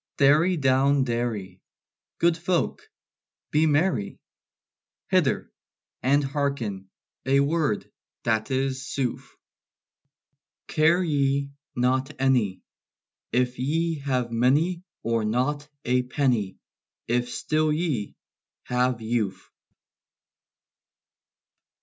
"Derry down derry! Good folk, be merry! Hither, and hearken a word that is sooth: Care ye not any, If ye have many Or not a penny, If still ye have youth!"